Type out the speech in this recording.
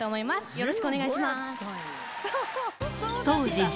よろしくお願いします。